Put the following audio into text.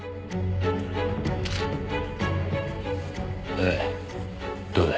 おいどうだ？